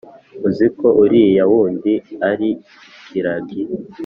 uziko uriya wundi ari ikiragi